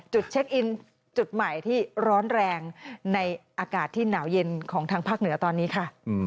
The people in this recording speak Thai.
เช็คอินจุดใหม่ที่ร้อนแรงในอากาศที่หนาวเย็นของทางภาคเหนือตอนนี้ค่ะ